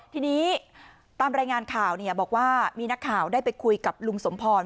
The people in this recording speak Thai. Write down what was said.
ทีนี้ตามรายงานข่าวเนี่ยบอกว่ามีนาคารได้ไปคุยกับลุงสมภัณฑ์